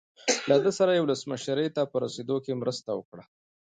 له ده سره یې ولسمشرۍ ته په رسېدو کې مرسته وکړه.